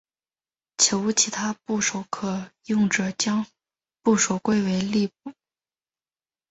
且无其他部首可用者将部首归为立部。